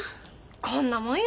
こんなもんよ